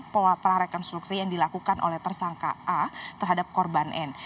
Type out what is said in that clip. prarekonstruksi yang dilakukan oleh tersangka a terhadap korban n